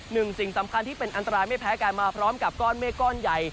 สิ่งสำคัญที่เป็นอันตรายไม่แพ้กันมาพร้อมกับก้อนเมฆก้อนใหญ่